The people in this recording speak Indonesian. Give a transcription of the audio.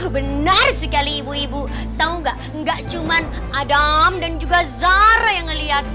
benar sekali ibu ibu tau gak gak cuman adam dan juga zara yang ngeliat